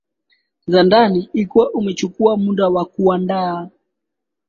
za ndani Ikiwa umechukua muda wa kuandaa